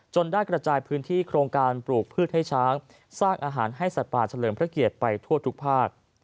ได้กระจายพื้นที่โครงการปลูกพืชให้ช้างสร้างอาหารให้สัตว์ป่าเฉลิมพระเกียรติไปทั่วทุกภาค